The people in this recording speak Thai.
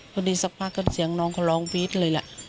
พอดีซักพักได้เสียงน้องเขาร้องฟีดเลยล่ะ